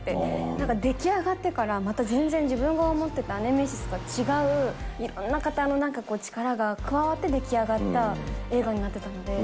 なんか、出来上がってから、また全然自分が思ってたネメシスと違う、いろんな方のなんか、力が加わって出来上がった映画になってたので。